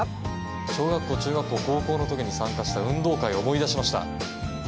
小学校、中学校高校の時に参加した運動会を思い出しました。